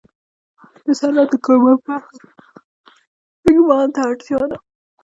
د صنعت د کاروبار په برخه کې ايمان ته اړتيا ده.